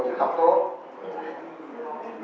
là không có bao giờ có bằng học dâu